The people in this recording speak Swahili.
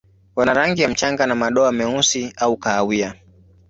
Wana rangi ya mchanga na madoa meusi au kahawia.